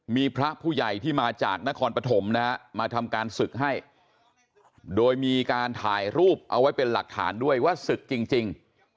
มีพระผู้ใหญ่ที่มาจากนครปฐมนะฮะมาทำการศึกให้โดยมีการถ่ายรูปเอาไว้เป็นหลักฐานด้วยว่าศึกจริง